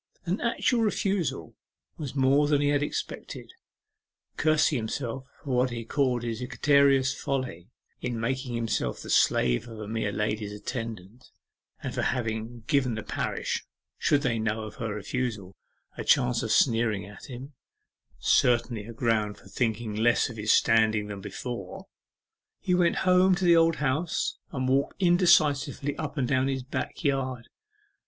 An actual refusal was more than he had expected. Cursing himself for what he called his egregious folly in making himself the slave of a mere lady's attendant, and for having given the parish, should they know of her refusal, a chance of sneering at him certainly a ground for thinking less of his standing than before he went home to the Old House, and walked indecisively up and down his back yard.